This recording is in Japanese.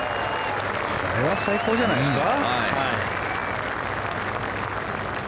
これは最高じゃないですか。